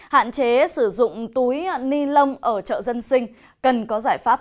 hạn chế sử dụng túi ni lông ở chợ dân sinh cần có giải pháp